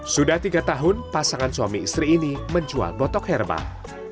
sudah tiga tahun pasangan suami istri ini menjual botok herbal